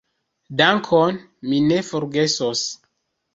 Dankon, mi ne forgesos.